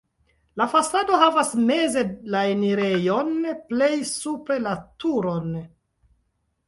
La fasado havas meze la enirejon, plej supre la turon.